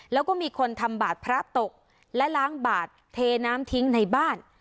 แล้วก็มีคนทำบาดพระตกและล้างบาดเทน้ำทิ้งในบ้าน